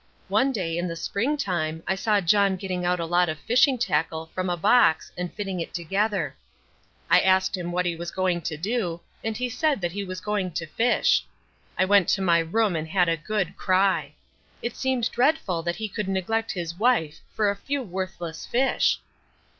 One day in the spring time I saw John getting out a lot of fishing tackle from a box and fitting it together. I asked him what he was going to do, and he said that he was going to fish. I went to my room and had a good cry. It seemed dreadful that he could neglect his wife for a few worthless fish.